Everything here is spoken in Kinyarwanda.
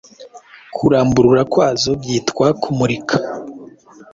Kuramburura kwazo byitwa Kumurika